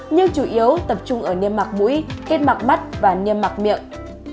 nhưng chủ yếu tập trung ở niêm mặc mũi kết mặc mắt và niêm mặc miệng